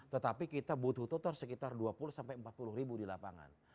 tetapi kita butuh tutor sekitar dua puluh empat puluh ribu di lapangan